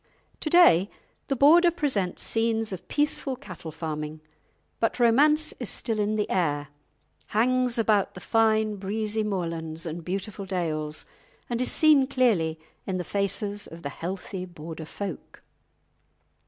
To day, the Border presents scenes of peaceful cattle farming. But Romance is still in the air, hangs about the fine, breezy moorlands and beautiful dales, and is seen clearly in the faces of the healthy Border folk.